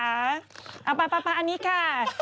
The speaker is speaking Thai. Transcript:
เอาไปอันนี้ค่ะ